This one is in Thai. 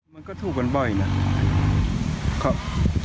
มันก็ถูกกันบ่อยนะ